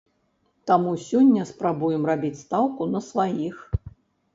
Таму сёння спрабуем рабіць стаўку на сваіх.